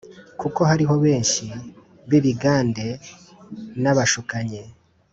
Kuko hariho benshi b’ibigande n’abashukanyi